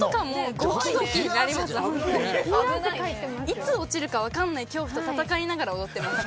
いつ落ちるか分かんない恐怖と戦いながら踊ってます